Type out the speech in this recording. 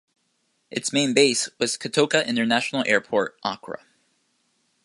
Its main base was Kotoka International Airport, Accra.